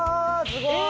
すごーい！